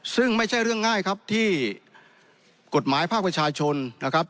ซึ่งไม่ใช่เรื่องง่ายครับที่กฎหมายภาคประชาชนนะครับ